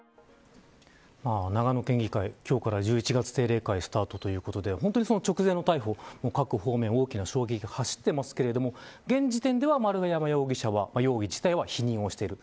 長野県議会、今日から１１月定例会スタートということで本当にその直前の逮捕各方面、大きな衝撃が走ってますが現時点では丸山容疑者は容疑を否認している。